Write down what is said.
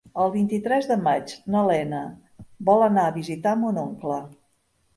El vint-i-tres de maig na Lena vol anar a visitar mon oncle.